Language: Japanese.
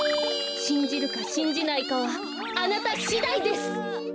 しんじるかしんじないかはあなたしだいです！